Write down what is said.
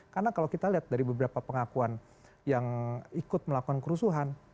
karena kalau kita lihat dari beberapa pengakuan yang ikut melakukan kerusuhan